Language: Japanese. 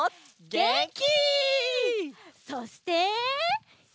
げんき！